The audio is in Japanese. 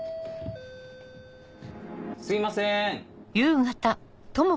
すいません。